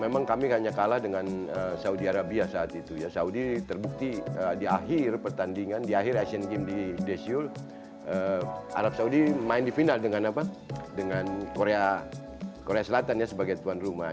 memang kami hanya kalah dengan saudi arabia saat itu ya saudi terbukti di akhir pertandingan di akhir asian games di desyul arab saudi main di final dengan korea selatan ya sebagai tuan rumah